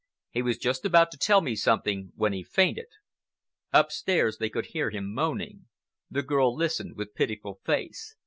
He was just about to tell me something when he fainted." Upstairs they could hear him moaning. The girl listened with pitiful face.